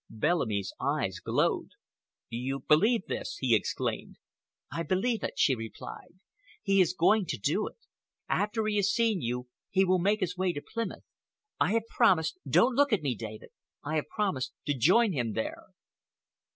Bellamy's eyes glowed. "You believe this?" he exclaimed. "I believe it," she replied. "He is going to do it. After he has seen you, he will make his way to Plymouth. I have promised—don't look at me, David—I have promised to join him there."